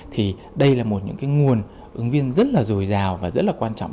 thì đây là một những nguồn ứng viên rất là dồi dào và rất là quan trọng